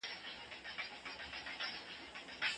دروازه د ساتونکي لخوا په کلکه وتړل شوه.